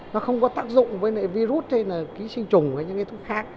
nó không có tác dụng với virus hay là ký sinh trùng hay những cái thuốc khác